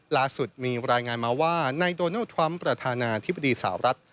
ล่าสุดมีรายงานมาว่านายโดนัลดทรัมป์ประธานาธิบดีสาวรัฐ